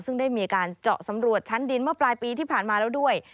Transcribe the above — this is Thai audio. ซึ่งได้มีการเจาะสำรวจชั้นดินเมื่อปลายปีที่ผ่านมาแล้วด้วย